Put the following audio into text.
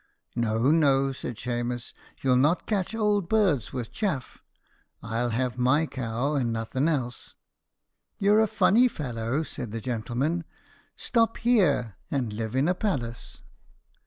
"No, no," said Shemus, "you'll not catch ould birds wid chaff. I'll have my cow and nothen else." "You're a funny fellow," said the gentleman; "stop here and live in a palace."